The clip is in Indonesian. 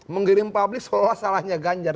menggiring publik seolah salahnya ganjar